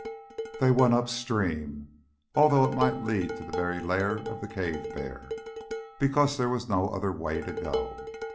They went up stream, although it might lead to the very lair of the cave bear, because there was no other way to go.